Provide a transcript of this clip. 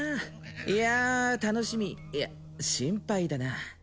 いや楽しみいや心配だな